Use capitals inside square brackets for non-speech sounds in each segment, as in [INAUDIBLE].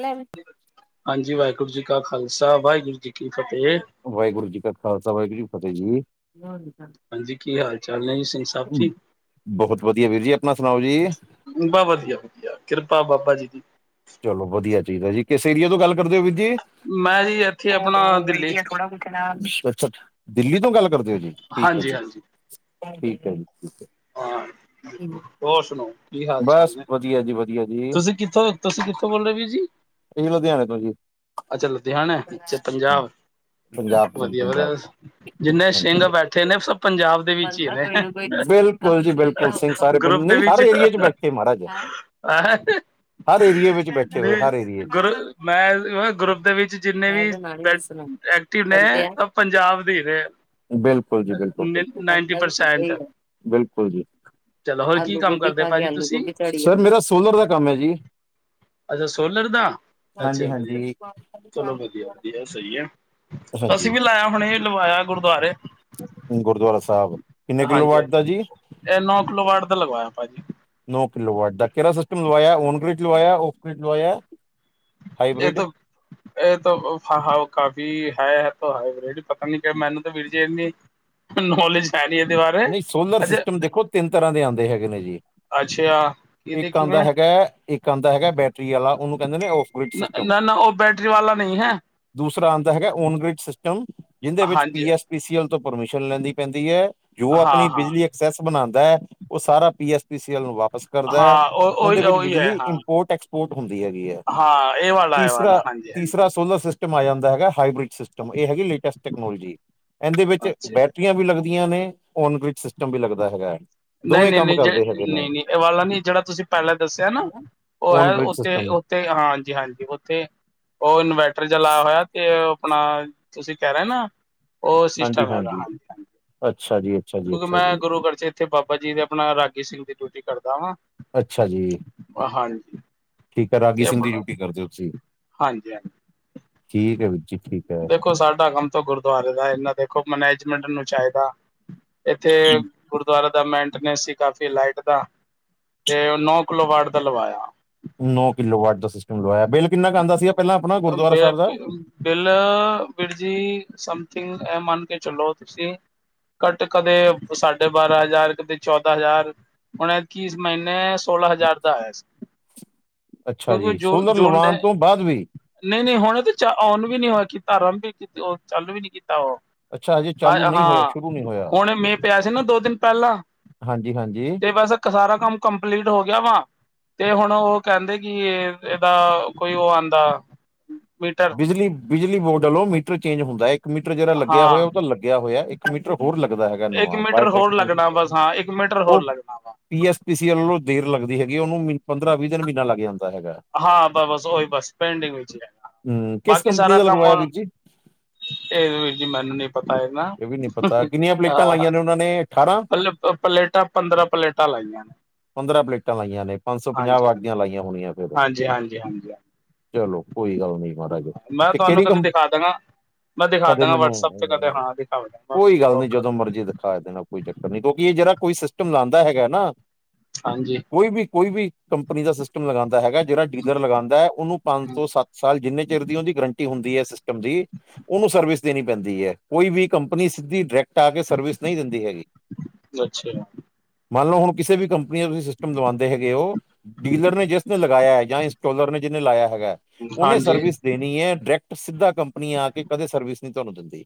ਲੈ ਹਾਂਜੀ, ਵਾਹਿਗੁਰੂ ਜੀ ਕਾ ਖ਼ਾਲਸਾ ਵਾਹਿਗੁਰੂ ਜੀ ਕੀ ਫ਼ਤਿਹ। ਵਾਹਿਗੁਰੂ ਜੀ ਕਾ ਖ਼ਾਲਸਾ ਵਾਹਿਗੁਰੂ ਜੀ ਕੀ ਫ਼ਤਿਹ ਜੀ। ਹਾਂਜੀ ਕੀ ਹਾਲ ਚਾਲ ਨੇ ਜੀ ਸਿੰਘ ਸਾਹਿਬ ਜੀ ਬਹੁਤ ਵਧੀਆ ਵੀਰ ਜੀ ਆਪਣਾ ਸੁਣਾਓ ਜੀ। ਬਹੁ ਵਧੀਆ, ਕਿਰਪਾ ਬਾਬਾ ਜੀ ਦੀ। ਚਲੋ ਵਧੀਆ ਚਾਹੀਦਾ ਏ ਜੀ, ਕਿਸ ਏਰੀਆ ਤੋਂ ਗੱਲ ਕਰਦੇ ਹੋ ਵੀਰ ਜੀ, ਮੈਂ ਜੀ ਇੱਥੇ ਆਪਣਾ ਓਹੋ ਦਿੱਲੀ ਬੀਜੀਂ ਆ ਥੌੜਾ ਹੁਣ। [UNINTELLIGIBLE] ਅੱਛਾ, ਦਿੱਲੀ ਤੋਂ ਗੱਲ ਕਰਦੇ ਹੋ ਜੀ [INAUDIBLE] ਠੀਕ ਹੈ ਹਾਂਜੀ ਜੀ, ਹਾਂਜੀ ਠੀਕ ਹੈ ਜੀ। ਹਾਂ, ਹੋਰ ਸੁਣਾਓ ਕੀ ਹਾਲ ਚਾਲ ਬਸ ਨੇ? ਜੀ, ਹਾਂਜੀ ਵਧੀਆ ਜੀ। ਤੁਸੀਂ ਕਿੱਥੋਂ, ਤੁਸੀਂ ਕਿੱਥੋਂ ਬੋਲ ਰਹੇ ਹੋ ਵੀਰ ਜੀ। ਇਹ ਲੁਧਿਆਣੇ ਤੋਂ ਜੀ ਅੱਛਾ, ਲੁਧਿਆਣੇ ਵਿੱਚ ਪੰਜਾਬ। ਹਾਂਜੀ, ਪੰਜਾਬ ਹਾਂਜੀ ਤੋਂ ਜੀ ਵਧੀਆ ਪੰਜਾਬ ਬਸ, ਤੋਂ ਜਿੰਨੇ ਸਿੰਘ ਬੈਠੇ ਨੇ ਸਭ ਪੰਜਾਬ ਦੇ ਵਿੱਚ ਵੱਲ ਹੀ ਤਾਂ ਨੇ ਕੋਈ ਨਾ ਕੋਈ ਬਿਲਕੁਲ ਜੀ, ਬਿਲਕੁਲ ਸਿੰਘ ਸਾਰੇ ਗਰੁੱਪ ਨਹੀਂ ਹਰ ਏਰੀਏ ਚ ਬੈਠੇ ਮਹਾਰਾਜ। [UNINTELLIGIBLE] ਹਰ ਏਰੀਆ ਵਿੱਚ ਬੈਠੇ ਵਿ ਹੋਏ ਹਰ ਏਰੀਆ ਗਰੁ 'ਚ ਮੈਂ ਨਾ ਗਰੁੱਪ ਦੇ ਵਿੱਚ ਜਿੰਨੇ ਵੀ ਬੈ ਐਕਟਿਵ ਨੇ, ਉਹ ਪੰਜਾਬ ਦੇ ਰਹੇ ਬਿਲਕੁਲ ਜੀ, ਬਿਲਕੁਲ। ਗੱਲ ਤਾਂ ਇੱਕੋ ਪਰਸੈਂਟ ਈ ਐ, ਬਿਲਕੁਲ ਜੀ, ਚਲੋ ਹੋਰ ਕੀ ਆਲੂ ਕੰਮ ਗੋਭੀ ਕਰਦੇ ਖਾਗੇ ਭਾਜੀ ਆਲੂ ਤੁਸੀਂ ਗੋਭੀ ਚ ਸਰ ਮੇਰਾ ਸੋਲਰ ਦਾ ਕੰਮ ਐ ਜੀ। ਅੱਛਾ ਸੋਲਰ ਦਾ, ਹਾਂਜੀ ਅੱਛਾ ਵਧੀਆ, ਹਾਂਜੀ ਚਲੋ ਵਧੀਆ-ਵਧੀਆ ਸਹੀ ਹੈ। ਅਸੀਂ ਹਾਂਜੀ ਵੀ ਲਾਇਆ ਹੁਣੇ ਲਵਾਇਆ ਗੁਰਦੁਆਰੇ। ਗੁਰਦੁਆਰਾ ਸਾਹਿਬ ਕਿੰਨੇ ਕਿਲੋ ਵਾਟ ਦਾ ਹਾਂਜੀ-ਹਾਂਜੀ, ਜੀ ਇਹ ਨੌ ਕਿਲੋ ਵਾਟ ਦਾ ਲਗਵਾਇਆ ਭਾਜੀ। ਨੋ ਕਿਲੋ ਵਾਟ ਦਾ ਕਿਹਰਾ ਸਿਸਟਮ ਲਵਾਇਆ ਓਨਗ੍ਰੀਡ ਲਵਾਇਆ, ਔਫਗ੍ਰੀਡ ਲਵਾਇਆ? ਇਹ ਹਾਈਬ੍ਰਿਡ ਤੋ, ਇਹ ਤੋ ਹਾ ਹੈ ਤੋ ਕਾਫੀ ਹੈ [UNINTELLIGIBLE] ਰਿਡ, ਪਤਾ ਨੀ ਕਿ ਮੈਨੂੰ ਤਾਂ ਵੀਰ ਜੀ ਇੰਨੀ, ਨੌਲੇਜ ਹੈ ਨੀ ਇਹਦੇ ਬਾਰੇ। ਨਈ ਸੋਲਰ ਅੱਛਾ ਸਿਸਟਮ ਦੇਖੋ ਤਿੰਨ ਤਰ੍ਹਾਂ ਦੇ ਆਂਦੇ ਹੈਗੇ ਨੇ ਜੀ। ਅੱਛਿਆ। ਇੱਕ ਆਦਾ ਹੈਗਾ ਇੱਕ ਆਦਾ ਹੈਗਾ ਬੈਟਰੀ ਆਲਾ ਉਹਨੂੰ ਕਹਿੰਦੇ ਨੇ ਔਫ ਅ ਨਾ-ਨਾ ਉਹ ਬੈਟਰੀ ਵਾਲਾ ਨਹੀਂ ਹੈ। ਦੂਸਰਾ ਆਂਦਾ ਹੈਗਾ ਓਨਗ੍ਰਿਡ ਸਿਸਟਮ ਜਿਹਦੇ ਵਿੱਚ ਹਾਂਜੀ P S P C L ਤੋਂ ਪਰਮਿਸ਼ਨ ਲੈਣੀ ਪੈਂਦੀ ਆ। ਜੋ ਹਾਂ ਆਪਣੀ ਹਾਂ ਬਿਜਲੀ ਐਕਸੈਸ ਬਣਾ ਦਾ ਹੈ, ਉਹ ਸਾਰ ਪੀ ਐਸ ਪੀ ਸੀ ਐਲ ਨੂੰ ਵਾਪ ਵਾਪਸ ਕਰਦਾ ਹੈ, ਹਾਂ ਉਹ ਉਹਦੇ ਉਹੀ ਵਿੱਚ ਉਹੀ ਹੈ ਬਿਜਲੀ ਹਾਂ ਇੰਪੋਰਟ ਐਕਸਪੋਰਟ ਇੰਪੋਰਟ ਹੁੰਦੀ ਹੈਗੀ ਆ, ਹਾਂ ਇਹ ਵਾਲਾ ਇਹ ਤੀਸਰਾ, ਵਾਲਾ ਹਾਂਜੀ ਹਾਂਜੀ ਤੀਸਰਾ ਸੋਲਰ ਸਿਸਟਮ ਸਿਸਟਮ ਆ ਜਾਂਦਾ ਹੈਗਾ ਹਾਈਬ੍ਰਿਡ ਸਿਸਟਮ ਇਹ ਹੈਗੀ ਲੇਟੈਸਟ ਟੈਕਨੋਲੋਜੀ, ਇਹਦੇ ਵਿੱਚ ਅੱਛਾ ਬ ਵੀ ਲੱਗਦੀਆਂ ਨੇ ਓਨਗ੍ਰਿਡ ਸਿਸਟਮ ਵੀ ਲੱਗਦਾ ਹੈਗਾ। ਦੋਵੇਂ ਕੰਮ ਕਰਦੇ ਹੈਗੇ ਨੇ ਨਹੀਂ-ਨਹੀਂ-ਨਹੀਂ-ਨਹੀਂ-ਨਹੀਂ ਇਹ ਵਾਲਾ ਨੀ ਜਿਹੜਾ ਤੁਸੀਂ ਪਹਿਲਾਂ ਦੱਸਿਆ ਨਾ ਉਹ ਓਨ ਹੈ ਗ੍ਰਿਡ ਉੱਥੇ ਸਿਸਟਮ ਤੇ ਹਾਂਜੀ-ਹਾਂਜੀ ਉੱਥੇ ਉਹ ਇਨਵੈਰਟਰ ਜਾ ਲਾਇਆ ਹੋਇਆ ਤੇ ਆਪਣਾ ਤੁਸੀਂ ਕਹਿਣਾ ਨਾ ਉਹ ਸਿਸਟਮ ਹਾਂਜੀ-ਹਾਂਜੀ, ਅੱਛਾ ਜੀ। ਅੱਛਾ ਜੀ ਓਦੋ ਅੱਛਾ ਮੈਂ ਜੀ ਗੁਰੂਘਰ ਚ ਇੱਥੇ ਬਾਬਾ ਜੀ ਦੇ ਆਪਣਾ ਰਾਗੀ ਸਿੰਘ ਦੀ ਡਿਊਟੀ ਕਰਦਾ ਹਾਂ। ਅੱਛਾ ਜੀ। ਓ ਆ ਹਾਂਜੀ। ਠੀਕ ਆ। ਰਾਗੀ ਤੇ ਸਿੰਘ ਦੀ ਆਪਣਾ ਡਿਊਟੀ ਕਰਦੇ ਓ ਤੁਸੀਂ। ਹਾਂਜੀ ਹਾਂਜੀ ਠੀਕ ਐ ਵੀਰ ਜੀ, ਠੀਕ ਐ। ਦੇਖੋ, ਸਾਡਾ ਕੰਮ ਤੋਂ ਗੁਰਦੁਆਰੇ ਦਾ। ਇਹ ਨਾਂ ਦੇਖੋ ਮੈਨੇਜਮੈਂਟ ਨੂੰ ਚਾਹੀਦਾ ਇੱਥੇ ਗੁਰਦੁਆਰਾ ਦਾ ਮੇਨਟੇਨੈਂਸ ਸੀ, ਕਾਫੀ ਲਾਈਟ ਦਾ ਤੇ ਉਹ ਨੌ ਕਿਲੋ-ਵਾਟ ਦਾ ਲਵਾਇਆ। ਨੌ ਕਿਲੋ ਵਾਟ ਦਾ ਸਿਸਟਮ ਲਵਾਇਆ। ਬਿੱਲ ਕਿੰਨਾ ਕਾ ਆਂਦਾ ਸੀਗਾ, ਪਹਿਲਾਂ ਆਪਣਾ ਗੁਰਦੁਆਰਾ ਸਾਹਬ ਦਾ। ਬਿੱਲ ਵੀਰ ਜੀ, ਸਮਥਿੰਗ ਐਹ ਮੰਨ ਕੇ ਚਲੋ ਤੁਸੀਂ ਘੱਟ ਕਦੇ, ਸਾਢੇ ਬਾਰਾਂ ਹਜ਼ਾਰ, ਕਦੇ ਚੌਦਾ ਹਜ਼ਾਰ ਹੁਣ ਐਰਕੀ, ਇਸ ਮਹੀਨੇ ਸੋਲਾਂ ਹਜ਼ਾਰ ਦਾ ਆਇਆ ਸੀ। ਅੱਛਾ ਜੀ, ਸੋਲਰ ਲਵਾਨ ਤੋਂ ਬਾਅਦ ਵੀ। ਨਹੀਂ-ਨਹੀਂ ਹੁਣ ਵੀ ਚਾ, ਔਨ ਵੀ ਨੀ ਹੋ ਕੀਤਾ। ਅਰੰਬ ਈ ਕੀਤੀ ਉਹ। ਚਾਲੂ ਵੀ ਨੀ ਕੀਤਾ ਉਹ ਅੱਛਾ ਹਜੇ ਚਾਲੂ ਹਾਏ ਨਹੀਂ ਹੋਇਆ ਹਾਂ, ਸ਼ੁਰੂ ਨਹੀਂ ਹੋਇਆ ਹੁਣ ਮੀਂਹ ਪਿਆ ਸੀ ਨਾ ਦੋ ਦਿਨ ਪਹਿਲਾਂ ਹਾਂਜੀ-ਹਾਂਜੀ। ਕੇ ਸਾਰਾ ਕੰਮ ਕੰਪਲੀਟ ਹੋ ਗਿਆ ਵਾ। ਤੇ ਹੁਣ ਉਹ ਕਹਿੰਦੇ ਕਿ, ਇਹਦਾ ਕੋਈ ਉਹ ਆਂਦਾ [INAUDIBLE] ਬਿਜਲੀ-ਬਿਜਲੀ ਬੋਡ ਅੱਲੋਂ ਮੀਟਰ ਚੇਂਜ ਹੁੰਦਾ। ਇੱਕ ਮੀਟਰ ਜਿਹੜਾ ਲੱਗਿਆ ਹਾਂ ਹੋਇਆ ਉਹ ਤਾਂ ਲੱਗਿਆ ਹੋਇਆ। ਇੱਕ ਇੱਕ ਮੀਟਰ ਹੋਰ ਲੱਗਦਾ ਹੈਗਾ। ਇੱਕ ਨਵਾਂ ਮੀਟਰ ਹੋਰ ਬਾਇਓਟੈਕਨਲ ਲੱਗਣਾ ਮੀਟਰ। ਬਸ ਹਾਂ ਇੱਕ ਮੀਟਰ ਹੋਰ ਉਹ ਲੱਗਣਾ ਵਾ ਪੀ ਐਸ ਪੀ ਸੀ ਅਲੋ ਦੇਰ ਲਗਦੀ ਹੈਗੀ। ਉਹਨੂੰ ਮ ਪੰਦਰਾਂ-ਵੀਹ ਦਿਨ, ਮਹੀਨਾ ਲੱਗ ਜਾਂਦਾ ਹੈਗਾ। ਹਾਂ, ਬ-ਬਸ ਉਹੀ ਬਸ, ਪੇਡਿੰਗ ਵਿੱਚ ਈ ਰਹਿ ਹਮ, ਕਿਸ ਕੰਪਨੀ ਦਾ ਲਗਵਾਇਆ ਵੀਰ ਜੀ। ਇਹ ਵੀਰ ਜੀ ਮੈਨੂੰ ਨੀ ਪਤਾ ਏ ਨਾ। ਇਹ ਵੀ ਨਹੀਂ ਪਤਾ ਕਿੰਨੀਆਂ ਪਲੇਟਾਂ ਲਾਈਆਂ ਨੇ ਉਹਨਾਂ ਨੇ ਮਲਬ ਅ ਪਲੇਟਾ ਪੰਦਰਾਂ ਪਲੇਟਾ ਲਾਈਆਂ ਨੇ। ਪੰਦਰਾਂ ਪਲੇਟਾਂ ਲਾਈਆਂ ਨੇ। ਪੰਜ-ਸੌ-ਪੰਜਾਹ ਵਾਟ ਦੀਆਂ ਲਾਈਆਂ ਹੋਣੀਆਂ ਫਿਰ। ਹਾਂਜੀ-ਹਾਂਜੀ-ਹਾਂਜੀ ਆ। ਚਲੋ ਕੋਈ ਗੱਲ ਨੀ ਮਾਹਰਾਜ ਤੇ ਕਿਹੜੀ ਕੰ ਐਦਾ ਨਾ। ਮੈਂ ਕਦੇ ਦਿਖਾਦਾਂਗਾ, ਮੈਨੂੰ ਵਟਸਐਪ ਤੇ ਕਦੇ। ਅਹ, ਹਾਂ ਦਿਖਾ ਦਵਗਾ ਕੋਈ ਗੱਲ ਨੀ, ਜਦੋਂ ਮਰਜ਼ੀ ਦਿਖਾ ਦੇਣਾ, ਕੋਈ ਚੱਕਰ ਨੀ। ਕਿਉਂਕਿ ਇਹ ਜਿਹੜਾ ਕੋਈ, ਸਿਸਟਮ ਲਾਂਦਾ ਹੈਗਾ ਨਾ ਹਾਂਜੀ। ਕੋਈ ਵੀ, ਕੋਈ ਵੀ, ਕੰਪਨੀ ਦਾ ਸਿਸਟਮ ਲਗਾਂਦਾ ਹੈਗਾ। ਜਿਹੜਾ ਡੀਲਰ ਲਗਾਂਦਾ, ਉਹਨੂੰ ਪੰਜ ਤੋਂ ਸੱਤ ਸਾਲ, ਜਿੰਨੇ ਚਿਰ ਦੀ ਉਹਦੀ ਗਰੰਟੀ ਹੁੰਦੀ ਐ, ਸਿਸਟਮ ਦੀ। ਉਹਨੂੰ ਸਰਵਿਸ ਦੇਣੀ ਪੈਂਦੀ ਐ। ਕੋਈ ਵੀ ਕੰਪਨੀ ਸਿੱਧੀ, ਡਰੈਕਟ ਆ ਕੇ ਸਰਵਿਸ ਨਹੀਂ ਦਿੰਦੀ ਹੈਗੀ। ਅੱਛਾ ਮੰਨਲੋ, ਹੁਣ ਕਿਸੇ ਵੀ ਕੰਪਨੀ ਦਾ ਤੁਸੀਂ ਸਿਸਟਮ ਲਵਾਂਦੇ ਹੈਗੇ ਓ। ਡੀਲਰ ਨੇ ਜਿਸ ਨੇ ਲਗਾਇਆ ਐ ਜਾਂ ਇਸਟੋਲਰ ਨੇ, ਜਿੰਨੇ ਲਾਇਆ ਹੈਗਾ ਉਹਨੇ ਹਾਂਜੀ ਸਰਵਿਸ ਦੇਣੀ ਐ। ਡਰੈਕਟ, ਸਿੱਧਾ ਕੰਪਨੀ ਆ ਕੇ ਕਦੇ ਸਰਵਿਸ ਨੀ ਤੁਹਾਨੂੰ ਦਿੰਦੀ।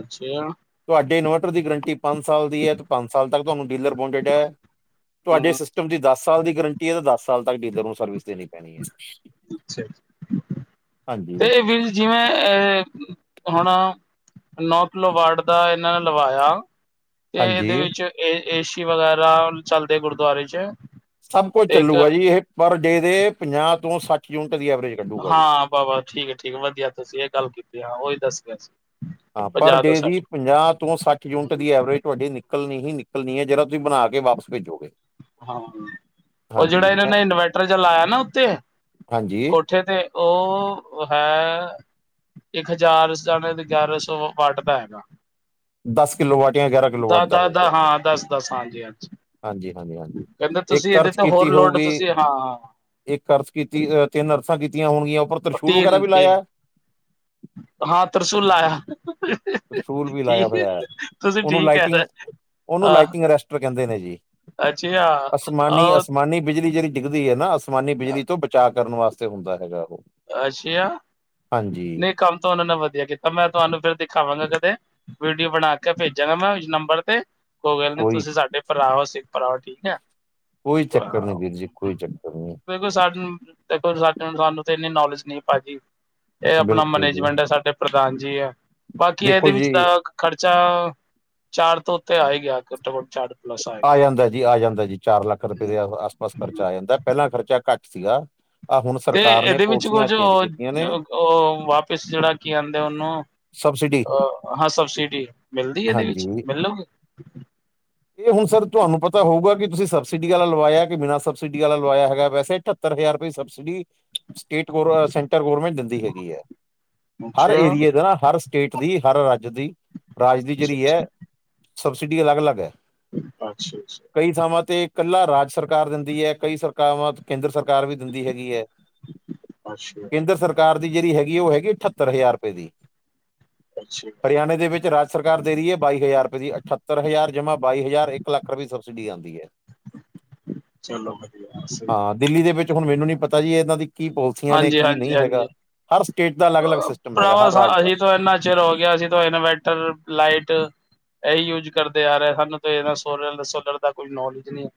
ਅੱਛੇ ਆ। ਤੁਵਾਡੇ ਇਨਵਟਰ ਦੀ ਗਰੰਟੀ ਪੰਜ ਸਾਲ ਦੀ ਐ ਤੇ ਪੰਜ ਸਾਲ ਤੱਕ ਤੁਵਾਨੂੰ ਡੀਲਰ ਬੋਂਂਡਡ ਐ। ਤੁਵਾਡੇ ਹੂੰ ਸਿ ਤੇ ਉਹਦੀ ਦਸ ਸਾਲ ਦੀ ਗਰੰਟੀ ਐ ਤੇ ਦਸ ਸਾਲ ਤੱਕ ਡੀਲਰ ਨੂੰ ਸਰਵਿਸ ਦੇਣੀ ਪੈਣੀ ਐ। ਅੱਛਾ ਜੀ। ਤੇ ਵੀਰ ਜਿਵੇਂ ਅ ਹੁਣ ਨੌ ਕਿਲੋ ਵਾਟ ਦਾ ਇਹਨਾਂ ਨੇ ਲਵਾਇਆ ਤੇ ਹਾਂਜੀ ਇਹਦੇ ਵਿੱਚ ਏ ਏਸੀ ਵਗੈਰਾ ਅਰਾਮ ਚੱਲਦੇ ਗੁਰੂਦੁਆਰੇ 'ਚ ਸਭ ਕੁਝ ਤੇ ਇੱਕ ਚੱਲੂਗਾ ਜੀ। ਇਹ ਪਰ ਡੇ ਦੇ, ਪੰਜਾਹ ਤੋਂ ਸੱਠ ਯੂਨਿਟ ਦੀ ਐਵਰੇਜ। ਕੱਢੂਗਾ ਜੀ ਹਾਂ, ਬਾ-ਬਾ ਠੀਕ ਐ, ਠੀਕ ਐ। ਵਧੀਆ ਤੁਸੀਂ ਇਹ ਗੱਲ ਕੀਤੀ। ਉਹੀ ਦੱਸ ਰਿਹਾ ਸੀ। ਹਾਂ ਪਰ ਪੰਜਾਹ ਡੇ ਤੋਂ ਦੀ ਸੱਠ ਪੰਜਾਹ ਤੋਂ ਸੱਠ ਯੂਨਿਟ ਦੀ ਐਵਰੇਜ ਤੁਹਾਡੀ ਨਿਕਲਣੀ ਹੀ ਨਿਕਲਣੀ ਐ ਜਿਹੜਾ ਤੁਸੀਂ ਬਣਾ ਕੇ ਵਾਪਸ ਭੇਜੋਗੇ। ਹਾਂ ਉਹ ਜਿਹੜਾ ਹਾਂਜੀ ਇਹਨਾਂ ਐ- ਨੇ ਇਨਵਰਟਰ ਜਾ ਲਾਇਆ ਨਾ ਉਤੇ ਹਾਂਜੀ ਉੱਥੇ ਤੇ ਉਹ ਹੈ। ਇੱਕ ਹਜ਼ਾਰ ਜਾਣੇ ਤੇ ਗਿਆਰਾਂ ਸੌ ਵੱਢਦਾ ਹੈਗਾ। ਦਸ ਕਿੱਲੋ ਵਾਟ ਜਾਂ ਗਿਆਰਾਂ ਕਿੱਲੋ ਵਾਟ ਦ ਦਾ ਦੱਸ-ਦੱਸ ਹੋਊਗਾ ਹਾਂ ਦੱਸ-ਦੱਸ ਹਾਂਜੀ-ਹਾਂਜੀ। ਹਾਂਜੀ, ਹਾਂਜੀ, ਹਾਂਜੀ ਇੱਕ ਇਹਦੇ ਅਰਜ ਤੇ ਹੋਰ ਕੀਤੀ ਲੋਡ ਹੋਊਗੀ। ਤੁਸੀਂ ਹਾਂ ਹਾਂ ਇੱਕ ਅਰਸ ਕੀਤੀ ਤਿੰਨ ਅਰਸਾਂ ਕੀਤੀਆਂ ਹੋਣਗੀਆਂ ਉੱਪਰ ਤ੍ਰਿਸ਼ੂਲ ਵਗੈਰਾ ਤੀਨ ਵੀ ਤੀਨ ਲਾਇਆ। ਹਾਂ ਤਰਸੂਲ ਲਾਇਆ, ਤਰਸ਼ੂਲ ਵੀ ਲਾਇਆ ਠੀਕ ਹੋਇਆ ਹੈ ਐ। ਤੁਸੀਂ ਉਹਨੂੰ ਠੀਕ ਕਹਿ ਰੇ। ਲਾਈਟਿੰਗ ਉਹਨੂੰ ਲਾਈਟਿੰਗ ਅਰੈਸਟਰ ਕਹਿੰਦੇ ਨੇ ਜੀ, ਅੱਛਾ ਅਸਮਾਨੀ ਅਸਮਾਨ ਆਹ ਅਸਮਾਨੀ ਬਿਜਲੀ ਜਿਹੜੀ ਡਿੱਗਦੀ ਐ ਨਾ ਅਸਮਾਨੀ ਬਿਜਲੀ ਤੋਂ ਬਚਾਅ ਕਰਨ ਵਾਸਤੇ ਹੁੰਦਾ ਹੈਗਾ ਉਹ ਅੱਛਿਆ, ਹਾਂਜੀ ਨਹੀਂ ਕੰਮ ਤਾਂ ਉਹਨਾਂ ਨੇ ਵਧੀਆ ਕੀਤਾ ਮੈਂ ਤੁਹਾਨੂੰ ਦਿਖਾਵਾਂਗਾ ਕਦੇ। ਵੀਡੀਓ ਬਣਾ ਕੇ ਭੇਜਾਂਗਾ ਮੈਂ ਇਸ ਨੰਬਰ ਤੇ, ਕੋਈ ਗੱਲ ਨੀ ਕੋਈ ਤੁਸੀਂ ਸਾਡੇ ਪਰਾਵਾਸ ਇੱਕ ਪਰਾਵਾ ਠੀਕ ਐ। ਕੋਈ ਚੱਕਰ ਨੀ ਵੀਰ ਜੀ, ਕੋਈ ਚੱਕਰ ਨੀ। ਦੇਖੋ ਸਾਨੂੰ, ਦੇਖੋ ਸਾਨੂੰ ਤੇ ਇੰਨੀ ਨੌਲੇਜ ਨੀ ਪਾਜੀ। ਇਹ ਆਪਣਾ ਬਿਲਕੁਲ ਜੀ ਮੈਨੇਜਮੈਂਟ ਐ ਸਾਡੇ ਪ੍ਰਧਾਨ ਜੀ ਐ, ਬਾਕੀ ਇਹਦੇ ਦੇਖੋ ਵਿੱਚ ਜੀ ਤਾ ਖ਼ਰਚਾ, ਚਾਰ ਤੋਂ ਉੱਤੇ ਆਏ ਗਿਆ ਘੱਟੋ ਘੱਟ ਚਾਰ ਪਲੱਸ ਆ ਗਿਆ। ਜਾਂਦਾ ਜੀ, ਆ ਜਾਂਦਾ ਜੀ ਚਾਰ ਲੱਖ ਰੁਪਏ ਦੇ ਆਸ ਪਾਸ ਖਰਚਾ ਆ ਜਾਂਦਾ ਪਹਿਲਾਂ ਖਰਚਾ ਘੱਟ ਸੀਗਾ। ਆ ਹੁਣ ਤੇ ਸਰਕਾਰ ਨੇ ਇਹਦੇ ਵਿੱਚ ਔ ਪਾਲਿਸੀਆਂ ਜੋ, ਚੇਂਜ ਕੀਤੀਆਂ ਨੇ ਉਹ ਵਾਪਿਸ ਜਿਹੜਾ ਕੀ ਆਦੇ ਉਹਨੂੰ ਸਬਸਿਡੀ ਅਹ ਹਾਂ ਸਬਸਿਡੀ ਮਿਲਦੀ ਇਹਦੇ ਹਾਂਜੀ ਵਿੱਚ, ਮਿਲੋਗੇ। ਇਹ ਹੁਣ ਸਰ ਤੁਹਾਨੂੰ ਪਤਾ ਹੋਊਗਾ ਕਿ ਤੁਸੀਂ ਸਬਸਿਡੀ ਆਲਾ ਲਵਾਇਆ ਕਿ ਬਿਨਾਂ ਸਬਸਿਡੀ ਆਲਾ ਲਵਾਇਆ ਹੈਗਾ ਵੈਸੇ ਅ ਸੱਤਰ ਹਜ਼ਾਰ ਰੁਪਏ ਸਬਸਿਡੀ [INAUDIBLE] ਸਟੇਟ ਗ ਸੈਂਟਰ ਗੌਰਮੈਂਟ ਦਿੰਦੀ ਹੈਗੀ ਐ। ਹਰ ਅੱਛਾ ਏਰੀਏ ਦਾ ਨਾ, ਹਰ ਸਟੇਟ ਦੀ, ਹਰ ਰਾਜ ਦੀ, ਰਾਜ ਦੀ ਅੱਛਾ ਜਿਹੜੀ ਐ। ਸਬਸਿਡੀ ਅਲਗ-ਅਲਗ ਐ। ਅੱਛਾ-ਅੱਛਾ, ਕਈ ਥਾਵਾਂ ਤੇ ਇਕੱਲਾ ਰਾਜ ਸਰਕਾਰ ਦਿੰਦੀ ਐ ਕਈ ਸਰ ਕੇਂਦਰ ਸਰਕਾਰ ਵੀ ਦਿੰਦੀ ਹੈਗੀ ਐ, ਅੱਛਾ ਕੇਂਦਰ ਸਰਕਾਰ ਸਰਕਾਰ ਦੀ ਜਿਹੜੀ ਹੈਗੀ ਐ ਉਹ ਹੈਗੀ ਅਠੱਤਰ ਹਜ਼ਾਰ ਰੁਪਏ ਦੀ। ਅੱਛਾ, ਹਰਿਆਣੇ ਦੇ ਵਿੱਚ ਰਾਜ ਸਰਕਾਰ ਦੇ ਰੀ ਐ ਬਾਈ ਹਜ਼ਾਰ ਰੁਪਏ ਦੀ ਅਠੱਤਰ ਹਜ਼ਾਰ ਜਮਾ। ਬਾਈ ਹਜ਼ਾਰ ਇੱਕ ਲੱਖ ਰੁਪਈ ਦੀ ਸਬਸਿਡੀ ਆਦੀ ਐ। ਚਲੋ ਵਧੀਆ ਸਹੀ। ਹਾਂ ਦਿੱਲੀ ਦੇ ਵਿੱਚ ਹੁਣ ਮੈਨੂੰ ਨੀ ਪਤਾ ਜੀ ਇਹਨਾਂ ਦੀ ਕੀ ਪੋਲਸੀਆਂ ਨੇ ਹਾਂਜੀ ਕੀ ਹਾਂਜੀ ਨੀ ਹਾਂਜੀ ਹੈਗਾ। ਹਰ ਸਟੇਟ ਦਾ ਅਲੱਗ-ਅਲੱਗ ਸਿਸਟਮ ਹੈਗਾ, ਹਰ ਰਾਜ ਦਾ। ਚਲ ਹੋ ਗਿਆ ਸੀ ਤੋ ਇਨਵੈਟਰ ਲਾਈਟ ਇਹੀ ਯੂਜ ਕਰਦੇ ਆ ਰੇ ਆ ਸਾਨੂੰ ਤੇ ਇਨਾਂ ਸੋਲਲ ਸੋਲਰ ਦਾ ਕੋਈ ਨੌਲੇਜ ਨੀਂ ਐ।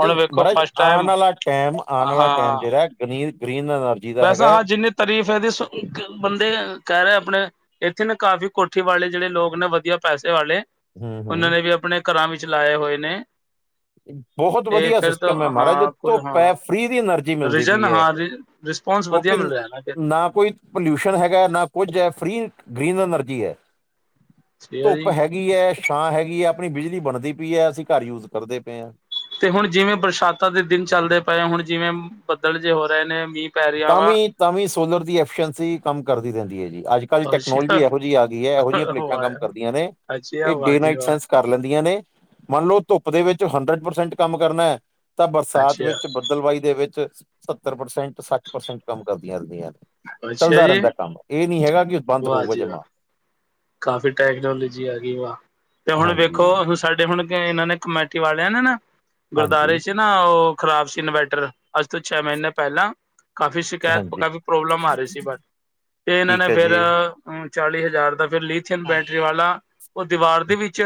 ਨਈ ਮਹਾਰਾਜ ਆਣ ਆਲਾ ਟੈਮ ਆਣ ਆਲਾ ਟੈਮ ਹਾਂ ਜਿੜਾ ਗਨੀ, ਗ੍ਰੀਨ ਅਨਰਜੀ ਦਾ ਹੈਗਾ। ਤਰੀਫ਼ ਐਦੀ ਸ-ਕ, ਬੰਦੇ ਕੈ ਰੇ ਅਪਣੇ ਇੱਥੇ ਨਾ ਕਾਫ਼ੀ ਕੋਠੀ ਵਾਲੇ ਜਿਹੜੇ ਲੋਗ ਨੇ ਵਧੀਆ ਪੈਸੇ ਵਾਲੇ ਹੂੰ ਉਨਾਂ ਹੂੰ ਨੇ ਵੀ ਆਪਣੇ ਘਰਾਂ ਵਿੱਚ ਲਾਏ ਹੋਏ ਨੇ। ਅ ਬਹੁਤ ਤੇ ਵਧੀਆ ਫਿਰ ਤਾਂ ਸਿਸਟਮ ਐ ਮਾਰਾਜ ਹਾਂ ਕੁਝ ਧੁੱਪ ਹਾਂ ਫ੍ਰੀ ਦੀ ਅਨਰਜੀ ਮਿਲਦੀ ਰੀਜਨ ਪਈ ਐ। ਹਾਂ ਰਿਸਪੋਂਸ ਕੋ ਵਧੀਆ ਕਿਨ, ਮਿਲ ਰਿਹਾ ਫਿਰ ਨਾ ਕੋਈ ਪਲਿਊਸ਼ਨ ਹੈਗਾ, ਨਾ ਕੁੱਝ ਐ, ਫ੍ਰੀ ਗ੍ਰੀਨ ਅਨਰਜੀ ਐ। ਸਹੀ ਧੁੱਪ ਜੀ ਹੈ ਗੀ ਐ, ਛਾਂ ਹੈਗੀ ਐ, ਆਪਣੀ ਬਿਜਲੀ ਬਣਦੀ ਪਈ ਐਂ, ਅਸੀਂ ਘਰ ਯੂਜ ਕਰਦੇ ਪੇ ਆਂ। ਤੇ ਹੁਣ ਜਿਵੇਂ ਬਰਸਾਂਤਾਂ ਦੇ ਦਿਨ ਚੱਲਦੇ ਪਏ ਆ, ਹੁਣ ਜਿਵੇਂ ਬੱਦਲ ਜੇ ਹੋ ਰਏ ਨੇ, ਮੀਂ ਤਾਂ ਵੀ, ਤਾਂ ਵੀ ਸੋਲਰ ਦੀ ਐਫੀਸੈ਼ਸੀ ਕੰਮ ਕਰਦੀ ਰੈਂਦੀ ਐ ਜੀ, ਅੱਜ -ਕੱਲ੍ਹ ਅੱਛਾ ਟੈਕਨੋਲਜੀ ਇਹੋ ਜੀ ਆ ਗੀ ਐ, ਇਹੋ ਜਿਹੀਆਂ ਪਲੇ ਟਾਂ ਕੰਮ ਕਰਦੀਆਂ ਨੇ। ਅੱਛੀ ਆ ਅਵਾਜ ਮੈਕਸੈਸ ਕਰ ਲੈਂਦੀਆਂ ਨੇ, ਮਨ ਲੋ ਧੁੱਪ ਦੇ ਵਿੱਚ ਹੰਡਰ ਪਰਸੈਂਟ ਕੰਮ ਕਰਨਾ ਐ ਤਾਂ ਬਰਸਾਤ ਅੱਛਾ ਵਿੱਚ, ਬਦਲਵਾਈ ਦੇ ਵਿੱਚ, ਸ ਸੱਤਰ ਪ੍ਰਸੈਂਟ- ਸੱਠ ਪ੍ਰਸੈਂਟ ਕੰਮ ਕਰ ਦੀਆਂ ਅੱਛਾ ਚੱਲਦਾ ਜੀ ਰਹਿੰਦਾ ਕੰਮ, ਏ ਨੀ ਹੈਗਾ ਕਿ ਬੰਦ ਹੋਊਗਾ ਜਮਾ। ਕਾਫ਼ੀ ਟੈਕਨੋਲਜੀ ਆਗੀ ਓਆ, ਤੇ ਹੁਣ ਹਾਂਜੀ ਵੇਖੋ ਅ-ਵ ਸਾਡੇ ਹੁਣ ਗੈ ਏਨਾਂ ਨੇ ਕਮੈਟੀ ਵਾਲਿਆਂ ਨੇ ਨਾ, ਗੁਰਦਾਰੇ ਹਾਂਜੀ 'ਚ ਨਾਂ ਓ ਖ਼ਰਾਬ ਸੀ ਇਨਵੈਟਰ, ਅੱਜ ਤੋਂ ਚੈ ਮਹੀਨੇ ਪੈਲਾਂ ਕਾਫ਼ੀ ਸ਼ਿਕਾਇਤ ਓ ਹਾਂਜੀ ਕਾਫ਼ੀ ਪ੍ਰੋਬਲਮ ਆ ਰੀ ਸੀ ਬਟ, ਤੇ ਏਨਾਂ ਨੇ ਠੀਕ ਹੈ ਫਿਰ ਜੀ ਅ ਚਾਲੀ ਹਜ਼ਾਰ ਦਾ ਫਿਰ ਲਿਥਿਅਨ ਬੈਟਰੀ ਵਾਲਾ, ਓ ਦੀਵਾਰ ਦੇ ਵਿੱਚ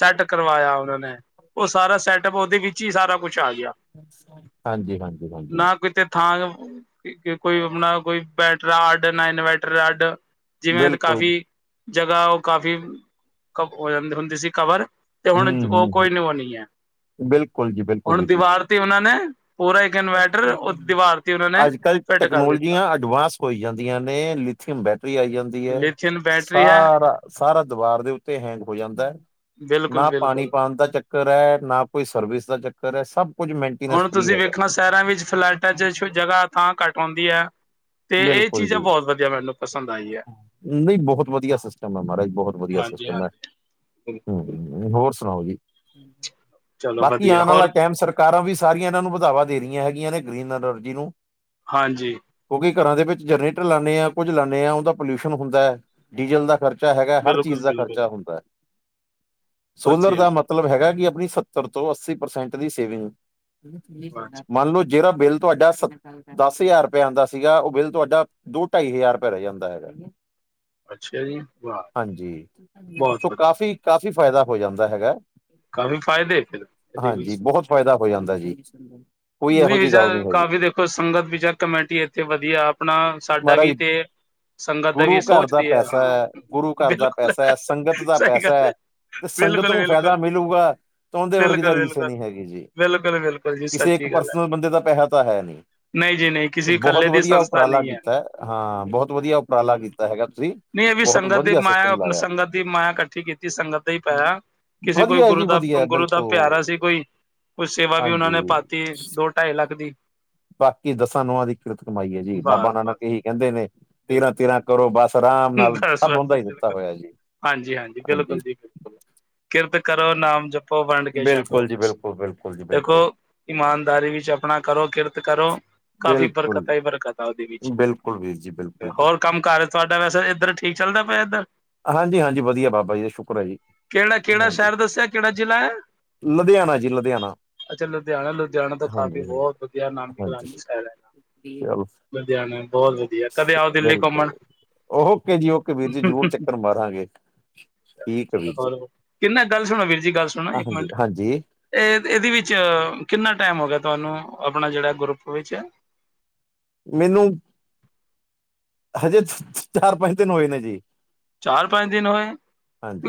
ਸੈੱਟ ਕਰਵਾਇਆ ਓਨਾਂ ਨੇ, ਓ ਸਾਰਾ ਸੈਟਪ ਉਦੇ ਵਿੱਚ ਈ ਸਾਰਾ ਕੁਛ ਆ ਗਿਆ ‌। ਹਾਂਜੀ, ਹਾਂਜੀ, ਹਾਂਜੀ। ਕਿਤੇ ਥਾਂ ਕ-ਅ-ਅ ਕੋਈ ਅਪਣਾ ਕੋਈ ਬੈਟਰਾ ਅੱਡ, ਨਾ ਇਨਵੈਟਰ ਅੱਡ। ਜਿਵੇਂ ਦ ਬਿਲਕੁਲ ਕਾਫ਼ੀ ਜਗ੍ਹਾ ਓ ਕਾਫੀ ਕ ਓ ਜਾਂਦੀ ਹੁੰਦੀ ਸੀ ਕਵਰ ਤੇ ਹੁਣ ਹੂੰ ਜ ਓ ਹੂੰ ਕੋਈ ਨ ਓ ਨਈ ਐ। ਬਿਲਕੁਲ ਜੀ, ਬਿਲਕੁਲ ਵੀਰ ਜੀ। ਤੇ ਉਨਾਂ ਨੇ ਪੂਰਾ ਇੱਕ ਇਨਵੈਟਰ, ਓ ਦ ਦੀਵਾਰ ਉਨਾਂ ਨ ਅੱਜ- ਕੱਲ੍ਹ ਟੈਕਨੋਲਜੀਆਂ ਅਡਵਾਂਸ ਹੋਈ ਜਾਂਦੀ ਆਂ ਨੇ, ਅ ਲਿਥੀਅਮ ਬੈਟਰੀ ਆਈ ਜਾਂਦੀ ਐ। ਥੀਨ ਬੈਟ ਸਾਰਾ ਅ ਸਾਰਾ ਦਵਾਰ ਦੇ ਉੱਤੇ ਹੈਂਗ ਹੋ ਜਾਂਦਾ, ਬਿਲਕੁਲ ਨਾ ਪਾਣੀ ਬਿਲਕੁਲ ਪਾਣ ਦਾ ਚੱ ਕਰ ਐ, ਨਾ ਕੋਈ ਸਰਵਿਸ ਦਾ ਚੱਕਰ ਐ, ਸਭ ਕੁਝ ਮੈਂਨਟੀੇਨੈਸ ਫਰੀ ਹੈਗਾ। ਸੈਹਰਾਂ ਵਿੱਚ ਫਲੈਟਾਂ ਚ ਛ ਜਗ੍ਹਾ ਥਾਂ ਘੱਟ ਹੁੰਦੀ ਆ ਤੇ ਏ ਬਿਲਕੁਲ ਚੀਜ਼ਾਂ ਜੀ। ਬੌਤ ਵਧੀਆ ਮੈਨੂੰ ਪਸੰਦ ਆਈ ਏ। ਨਈ ਬਹੁਤ ਵਧੀਆ ਸਿਸਟਮ ਐ ਮਾਰਾਜ, ਬਹੁਤ ਵਧੀਆ ਹਾਂਜੀ ਸਿਸਟਮ ਐ। ਹਾਂਜੀ ਬਿਲਕੁਲ ਹੂੰ, ਹੋਰ ਸਣਾਓ ਜੀ, ਚਲੋ ਬਾਕੀ ਵਧੀਆ ਆਣ ਆਲਾ ਹੋਰ ਟੈਮ ਸਰ ਕਾਰਾਂ ਵੀ ਸਾਰੀਆਂ ਐਨਾਂ ਨੂੰ ਵਧਾਵਾ ਦੇ ਰੀਆਂ ਹੈਗੀਆਂ ਨੇ ਗ੍ਰਰੀਨ ਅਨਰਜੀ ਨੂੰ। ਹਾਂਜੀ। ਕਿਉੰਕਿ ਘਰਾਂ ਦੇ ਵਿੱਚ ਜਰਨੇਟਰ ਲਾਨੇ ਆ, ਕੁੱਝ ਲਾਨੇ ਆਂ, ਉਂਦਾ ਪੋਲਿਊਸ਼ਨ ਹੁੰਦਾ, ਡੀਜ਼ਲ ਦਾ ਖਰ ਚਾ ਹੈਗਾ, ਹਰ ਚੀਜ਼ ਬਿਲਕੁਲ ਦਾ ਬਿਲਕੁਲ ਖਰਚਾ ਹੁੰਦਾ। ਸੋਲਰ ਦਾ ਅੱਛਾ ਮਤਲਬ ਹੈਗਾ ਕੀ ਅਪਣੀ ਸੱਤਰ ਤੋਂ ਅੱਸੀ ਪਰਸੈਂਟ ਦੀ ਸੇਵਿੰਗ। ਮੰਨ ਲੋ ਜਿਹਰਾ ਬਿੱਲ ਤੋਂਆਡਾ ਸ ਦਸ ਹਜ਼ਾਰ ਰਪੇ ਆਂਦਾ ਸੀਗਾ, ਓ ਬਿੱਲ ਤੁਹਾਡਾ ਦੋ ਢਾਈ ਹਜ਼ਾਰ ਰਪੇ ਰੈਅ ਜਾਂਦਾ ਹੈਗਾ। ਅੱਛਾ ਜੀ। ਵਾਹ ਹਾਂਜੀ, ਬਹੁਤ ਸੋ ਵਧੀਆ ਕਾਫੀ਼ -ਕਾਫੀ਼ ਫੈਦਾ ਹੋ ਜਾਂਦਾ ਹੈਗਾ। ਕਾਫ਼ੀ ਫ਼ਾਇਦੇ ਫਿ ਇਹਦੇ ਹਾਂਜੀ ਵਿੱਚ। ਬਹੁਤ ਫਾਇਦਾ ਹੋ ਜਾਂਦਾ ਜੀ। ਕੋਈ ਇਹੋ ਨਹੀਂ ਜਿਹੀ ਗੱਲ ਯਾਰ ਹੈਗੀ ਕਾਫੀ ਦੇਖੋ ਸੰਗਤ ਵੀ ਯਾਰ ਕਮੇਟੀ ਇੱਥੇ ਵਧੀਆ ਆਪਣਾ, ਸਾਡਾ ਵੀ ਮਹਾਰਾਜ ਤੇ, ਸੰਗਤ ਦਾ ਵੀ ਗੁਰੂ ਘਰ ਦਾ ਸੋਚਦੀ ਹੈ ਪੈਸਾ ਹਾਂ ਐ, ਗੁਰੂ ਘਰ ਦਾ ਬਿਲਕੁਲ ਪੈਸਾ ਐ, ਸੰਗਤ ਦਾ ਸਹੀ ਪੈਸਾ ਗੱਲ ਐ। ਹੈ ਤੇ ਸੰਗਤ ਬਿਲਕੁਲ ਨੂੰ ਫਾਇਦਾ ਬਿਲਕੁਲ ਮਿਲੂਗਾ ਤਾਂ ਉਹਦੇ ਵਰਗੀ ਤਾਂ ਓਦੇਂ ਵਰਗੀ ਤਾ ਬਿਲਕੁਲ ਰੀਸ ਬਿਲਕੁਲ ਨੀ ਹੈਗੀ ਜੀ। ਬਿਲਕੁਲ ਬਿਲਕੁਲ ਜੀ ਕਿਸੇ ਸੱਚੀ ਗੱਲ ਹੈ। ਪਰਸਨਲ ਬੰਦੇ ਦਾ ਪੈਹਾ ਤਾਂ ਹੈ ਨੀ। ਨਹੀਂ ਜੀ ਨਹੀਂ ਤੇ ਕਿਸੇ ਬੋਹਤ ਇਕੱਲੇ ਦੀ ਵਧੀਆ ਸੰਸਥਾ ਉਪਰਾਲਾ ਨਹੀਂ ਹੈ ਕੀਤੈ, ਹਾਂ ਬੋਹਤ ਵਧੀਆ ਉਪਰਾਲਾ ਕੀਤਾ ਹੈਗਾ ਤੁਸੀਂ। ਨਈ ਏ ਵੀ ਬਹੁਤ ਸੰਗਤ ਦੀ ਵਧੀਆ ਮਾਯਾ ਸਿਸਟਮ ਲਾਇਆ ਸੰਗਤ ਦੀ ਮਾਯਾ ਕੱਠੀ ਕੀਤੀ ਸੰਗਤ ਤੇ ਈ ਪੈਹਾ ਕਿਸੇ ਕੋਈ ਵਧੀਆ ਗੁਰੂ ਜੀ ਦਾ, ਵਧੀਆ ਗੁਰੂ ਦਾ ਪੇਆਰਾ ਸੀ ਬਿਲਕੁਲ ਕੋਈ, ਕੁੱਛ ਸੇਵਾ ਵੀ ਓਨਾਂ ਹਾਂਜੀ ਨੇ ਪਾਤੀ [UNINTELLIGIBLE] ਦੋ ਢਾਈ ਲੱਖ ਦੀ ਬਾਕੀ ਦਸਾ ਨੌਆ ਦੀ ਕਿਰਤ ਕਮਾਈ ਐ ਜੀ, ਬਾਬਾ ਬਸ ਨਾਨਕ ਬਸ ਏਹੀ ਕੈੰਦੇ ਨੇ ਬਿਲਕੁਲ ਤੇਰਾ-ਤੇਰਾ ਕਰੋ ਬੱਸ ਰਾਮ ਨਾਲ ਬਸ ਸਭ ਬਸ ਓਦਾ ਈ ਦਿੱਤਾ ਬਿਲਕੁਲ ਹੋਏਆ ਜੀ, ਹਾਂਜੀ ਹਾਂਜੀ ਬਿਲਕੁਲ ਜੀ ਬਿਲਕੁਲ ਕਿਰਤ ਕਰੋ, ਨਾਮ ਜਪੋ, ਵੰਡ ਕੇ ਛਕੋ, ਬਿਲਕੁਲ ਜੀ ਬਿਲਕੁਲ ਬਿਲਕੁਲ ਜੀ ਦੇਖੋ ਬਿਲਕੁਲ ਇਮਾਨਦਾਰੀ ਵਿੱਚ ਆਪਣਾ, ਕਰੋ ਕਿਰਤ ਕਰੋ। ਕਾਫੀ ਬਿਲਕੁਲ ਬਰਕਤਾ ਈ ਬਰਕਤਾ ਓਦੇ ਵਿੱਚ, ਬਿਲਕੁਲ ਵੀਰ ਜੀ ਤੇ ਬਿਲਕੁਲ ਜੀ ਹੋਰ ਕੰਮ-ਕਾਰ ਤਵਾਡਾ ਵੈਸੇ ਇੱਧਰ ਠੀਕ ਚੱਲਦਾ ਪੇਆ ਏਧਰ? ਹਾਂਜੀ-ਹਾਂਜੀ ਵਧੀਆ ਬਾਬਾ ਜੀ ਦਾ ਸ਼ੁਕਰ ਐ ਜੀ, ਕਿਹੜਾ ਕਿਹੜਾ ਹਾਂਜੀ ਸ਼ਹਿਰ ਦੱਸਿਆ ਕਿਹੜਾ ਜ਼ਿਲ੍ਹਾ ਹੈ ਲੁਧਿਆਣਾ ਜੀ ਲੁਧਿਆਣਾ ਅੱਛਾ ਲੁਧਿਆਣਾ, ਲੁਧਿਆਣਾ ਤੋਂ ਕਾਫੀ ਹਾਂਜੀ ਹਾਂਜੀ ਬੋਤ ਵਧੀਆ ਨਾਮ ਵੀ [UNINTELLIGIBLE] ਕਾਨੀ ਹਾਂਜੀ ਸਟੈਲ ਐ ਚਲੋ ਲੁਧਿਆਣੇ ਬੋਤ ਵਧੀਆ, ਕਦੇ ਆਓ ਦਿੱਲੀ ਕੁਮਣ ਓਹੋਕੇ ਜੀ ਓਕੇ ਵੀਰ ਜੀ ਜ਼ਰੂਰ ਚ ਵੀਰ ਜੀ [UNINTELLIGIBLE] ਕਿੰਨਾ ਗੱਲ ਸੁਣੋ ਵੀਰ ਜੀ ਗੱਲ ਸੁਣੋ ਇੱਕ ਹਾਂਜੀ ਮਿੰਟ ਹਾਂਜੀ ਏ, ਇਦੀ ਵਿੱਚ ਕਿੰਨਾ ਟਾਈਮ ਹੋ ਗਿਆ ਤਾਨੂੰ, ਆਪਣਾ ਜਿੜਾ ਗਰੁੱਪ ਵਿੱਚ? ਮਨੂੰ ਹਜੇ [UNINTELLIGIBLE] ਚਾਰ-ਪੰਜ ਦਿਨ ਹੋਏ ਨੇ ਜੀ। ਚਾਰ-ਪੰਜ ਦਿਨ ਹੋਏ,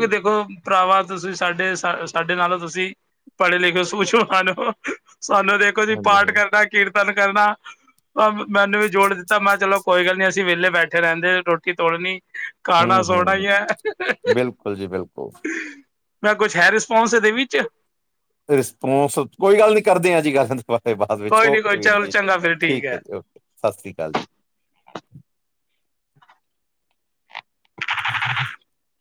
ਵਿ ਦੇਖੋ ਭਰਾਵਾ ਤੁਸੀਂ ਸਾਡੇ ਸਾ ਸਾਡੇ ਨਾਲੋਂ ਤੁਸੀਂ ਪੜ੍ਹੇ ਲਿਖੇ ਸੂਛਵਾਨ ਹੋ, ਸਾਨੂੰ ਦੇਖੋ ਅਸੀ ਹਾਂਜੀ ਪਾਠ ਹਾਂ ਕਰਨਾ ਕੀਰਤਨ ਕਰਨਾ ਅ ਮੈਨੂੰ ਵੀ ਜੋੜ ਦਿੱਤਾ ਮੈ ਚਲੋ ਕੋਈ ਗੱਲ ਨੀ ਅਸੀਂ ਵੇਲੇ ਬੈਠੇ ਰੈਂਦੇ, ਰੋਟੀ ਤੋੜਨੀ ਹਮ ਖਾਣਾ-ਸੋਣਾ ਹਮ ਈ ਐ ਬਿਲਕੁਲ ਜੀ ਬਿਲਕੁਲ ਨਾ ਕੁੱਛ ਹੈ ਰਿਸਪੋਂਸ ਏਦੇ ਵਿੱਚ? ਰਿਸਪੋਂਸ, ਕੋਈ ਗੱਲ ਨੀ ਕਰਦੇ ਆ ਜੀ ਗੱਲ ਦੋਬਾ ਤੇ ਬਾਅਦ ਵਿੱਚ ਕੋਈ ਨੀ ਓਕੇ ਕੋਈ ਵੀਰ ਚਲ ਜੀ, ਚੰਗਾ ਫਿਰ ਠੀਕ ਹੈ ਐ ਜੀ ਓਕੇ, ਸਾਸ੍ਰੀ ਕਾਲ ਜੀ। [UNINTELLIGIBLE]